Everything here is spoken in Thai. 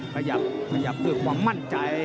ขยับขยับด้วยความมั่นใจ